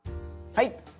はい。